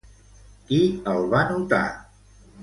Qui el va notar?